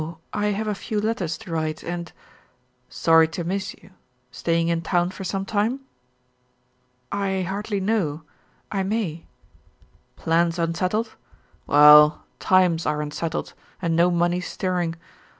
I have a few letters to write and " "Sorry to miss you. Staying in town for some time?" "I hardly know. I may." "Plans unsettled? Well, times are unsettled and no money stirring.